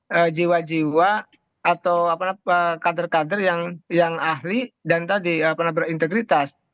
ya jiwa jiwa atau apa apa kader kader yang ahli dan tadi pernah berintegritas